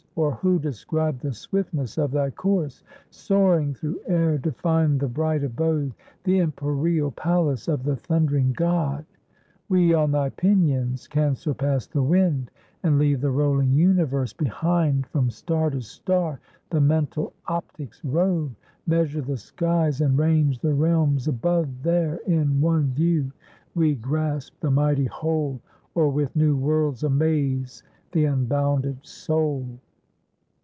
Or who describe the swiftness of thy course? Soaring through air to find the bright abode, The empyreal palace of the thundering God, We on thy pinions can surpass the wind, And leave the rolling universe behind, From star to star the mental optics rove, Measure the skies, and range the realms above, There in one view we grasp the mighty whole, Or with new worlds amaze the unbounded soul."